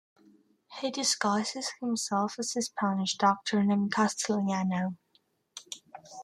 He disguises himself as a Spanish doctor named Castiliano.